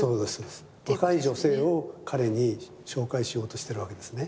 若い女性を彼に紹介しようとしてるわけですね